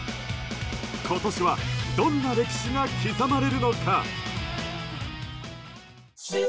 今年はどんな歴史が刻まれるのか？